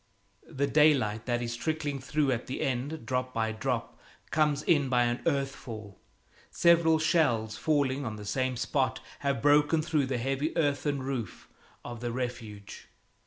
The daylight that is trickling through at the end, drop by drop, comes in by an earth fall. Several shells, falling on the same spot, have broken through the heavy earthen roof of the Refuge.